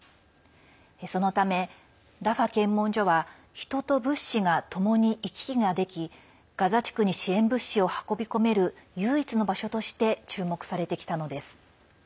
そのため、ラファ検問所は人と物資がともに行き来ができガザ地区に支援物資を運び込める唯一の場所として注目されてきたのです。